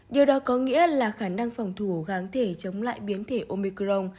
điều đó có nghĩa là khả năng phòng thủ gáng thể chống lại biến thể omicron